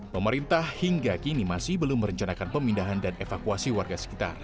pemerintah hingga kini masih belum merencanakan pemindahan dan evakuasi warga sekitar